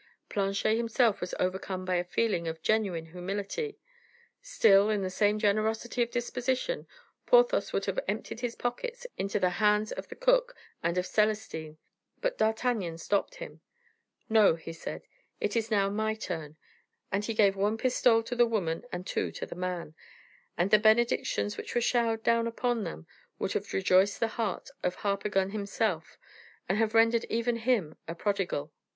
Planchet himself was overcome by a feeling of genuine humility. Still, in the same generosity of disposition, Porthos would have emptied his pockets into the hands of the cook and of Celestin; but D'Artagnan stopped him. "No," he said, "it is now my turn." And he gave one pistole to the woman and two to the man; and the benedictions which were showered down upon them would have rejoiced the heart of Harpagon himself, and have rendered even him a prodigal.